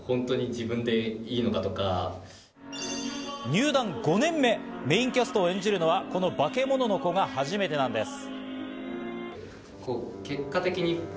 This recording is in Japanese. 入団５年目、メインキャストを演じるのはこの『バケモノの子』が初めてなんです。